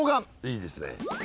いいですね。